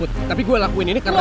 tapi gue lakuin ini karena